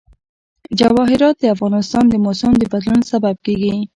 جواهرات د افغانستان د موسم د بدلون سبب کېږي.